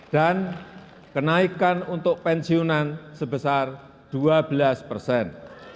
dan kenaikan untuk pensiunan sebesar dua belas persen